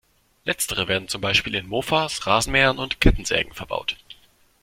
Letztere werden zum Beispiel in Mofas, Rasenmähern und Kettensägen verbaut.